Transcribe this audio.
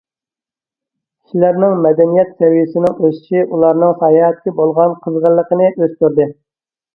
كىشىلەرنىڭ مەدەنىيەت سەۋىيەسىنىڭ ئۆسۈشى ئۇلارنىڭ ساياھەتكە بولغان قىزغىنلىقىنى ئۆستۈردى.